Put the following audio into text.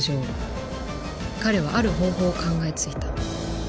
彼はある方法を考えついた。